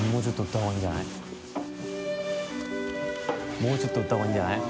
もうちょっと打った方がいいんじゃない？